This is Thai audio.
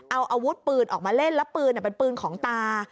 เอาอาวุธปืนออกมาเล่นแล้วปืนเป็นปืนของตา